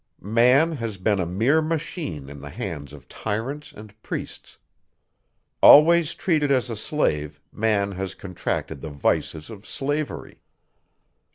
Man has been a mere machine in the hands of tyrants and priests. Always treated as a slave, man has contracted the vices of slavery.